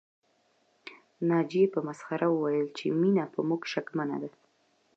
ناجيې په مسخره وويل چې مينه په موږ شکمنه ده